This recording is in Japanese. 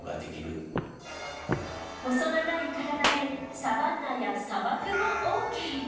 細長い体でサバンナや砂漠もオーケー。